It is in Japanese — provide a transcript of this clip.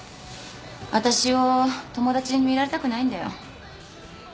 私を友達に見られたくないんだよ。